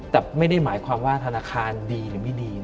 แต่ไม่ได้หมายความว่าธนาคารดีหรือไม่ดี